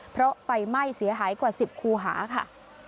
เพราะไฟไหม้เสียหายกว่า๑๐คูหาค่ะ